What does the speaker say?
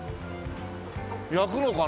焼くのかな？